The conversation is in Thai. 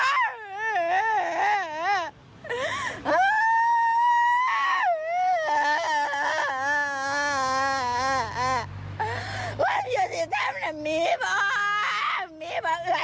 ความทรยศสิทธิตรักมาต่างห่ะ